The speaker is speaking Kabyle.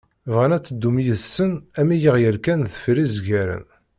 Bɣan ad teddum yid-sen am yeɣyal kan deffir izgaren.